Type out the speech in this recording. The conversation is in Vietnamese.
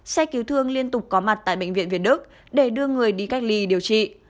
xe cứu thương liên tục có mặt tại bệnh viện việt đức để đưa người đi cách ly điều trị